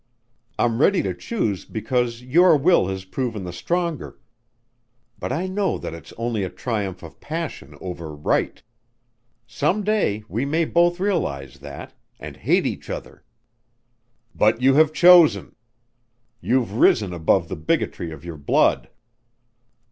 I'm ready to choose because your will has proven the stronger but I know that it's only a triumph of passion over right. Some day we may both realize that and hate each other." "But you have chosen! You've risen above the bigotry of your blood!"